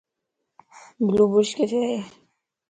بلو بُروش ڪٿي ءَ ؟